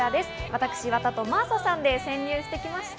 私、岩田と真麻さんで潜入してきました。